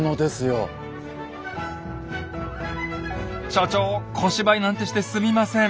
所長小芝居なんてしてすみません。